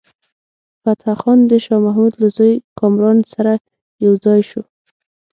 فتح خان د شاه محمود له زوی کامران سره یو ځای شو.